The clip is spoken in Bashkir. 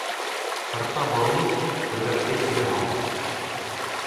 Ҡырҡа боролоп, төргәкте кире һалдым: